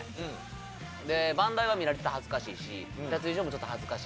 番台は見られて恥ずかしいし脱衣所もちょっと恥ずかしいし。